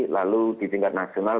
lalu di tingkat nasional